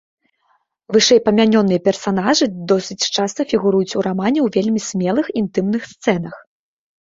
Вышэйпамянёныя персанажы досыць часта фігуруюць ў рамане ў вельмі смелых інтымных сцэнах.